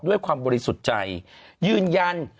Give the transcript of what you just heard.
ด้วยความบริสุทธิ์ใจยืนยัน